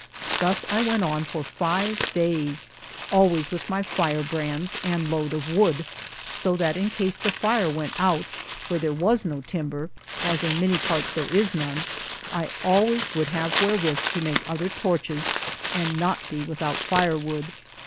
Thus I went on for five days, always with my firebrands and load of wood, so that in case the fire went out where there was no timber, as in many parts there is none, I always would have wherewith to make other torches and not be without firewood.